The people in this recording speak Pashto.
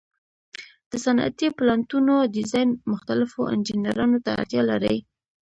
د صنعتي پلانټونو ډیزاین مختلفو انجینرانو ته اړتیا لري.